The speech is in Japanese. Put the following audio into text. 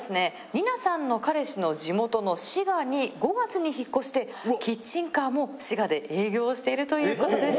ニナさんの彼氏の地元の滋賀に５月に引っ越してキッチンカーも滋賀で営業しているということです。